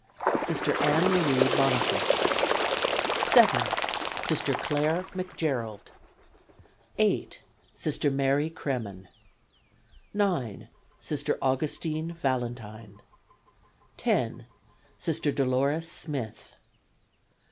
Sister Ann Marie Boniface. 7. Sister Clare McGerald. 8. Sister Mary Cremen. 9. Sister Augustine Valentine. 10. Sister Dolores Smith.